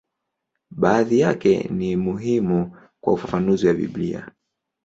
Baadhi yake ni muhimu kwa ufafanuzi wa Biblia.